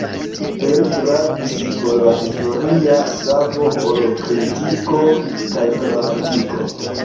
Plej gravis por li historia savo ol kritiko kaj gramatiko.